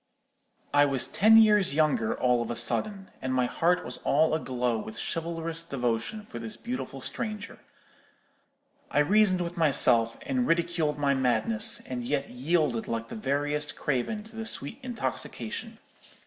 I was ten years younger all of a sudden, and my heart was all a glow with chivalrous devotion for this beautiful stranger. I reasoned with myself, and ridiculed my madness, and yet yielded like the veriest craven to the sweet intoxication.